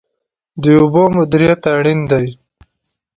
د اوبو مدیریت اړین دی.